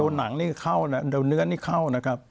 โดนหนังนี่เข้านะครับ